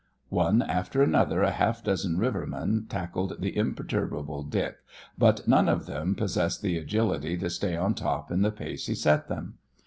One after another a half dozen rivermen tackled the imperturbable Dick, but none of them possessed the agility to stay on top in the pace he set them.